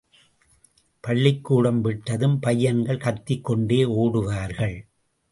பள்ளிக்கூடம் விட்டதும் பையன்கள் கத்திக் கொண்டே ஓடுவார்கள்.